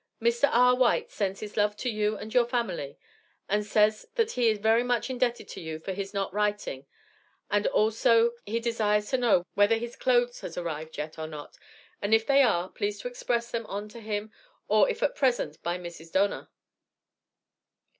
Mr. R. White sends his love to you and your famerly and says that he is very much indetted to you for his not writing and all so he desires to know wheather his cloths has arived yet or not, and if they are please to express them on to him or if at preasant by Mrs. Donar.